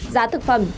giá thực phẩm